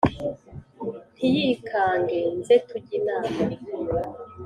Ntiyikange nze tujye inama